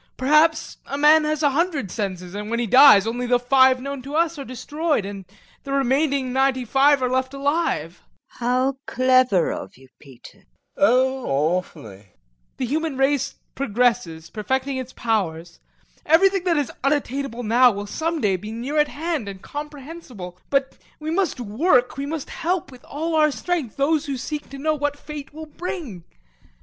Perhaps a man has a hundred senses, and when he dies only the five known to us are destroyed and the remaining ninety five are left alive. LUBOV. How clever of you, Peter! LOPAKHIN. [Ironically] Oh, awfully! TROFIMOV. The human race progresses, perfecting its powers. Everything that is unattainable now will some day be near at hand and comprehensible, but we must work, we must help with all our strength those who seek to know what fate will bring.